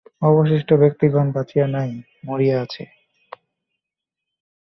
অবশিষ্ট ব্যক্তিগণ বাঁচিয়া নাই, মরিয়া আছে।